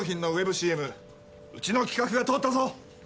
ＣＭうちの企画が通ったぞ。